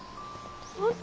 本当？